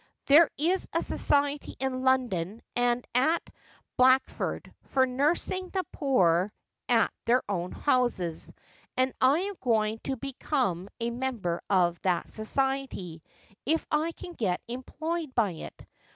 There is a society in London, and at Black ford, for nursing the poor at their own houses, and I am going to become a member of that society, if I can get employed by it.